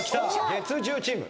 月１０チーム。